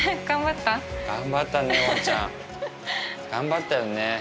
頑張ったね